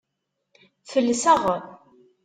Felseɣ.